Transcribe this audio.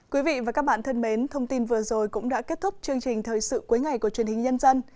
quý vị và các bạn thân mến thông tin vừa rồi cũng đã kết thúc chương trình thời sự cuối ngày của truyền hình nhân dân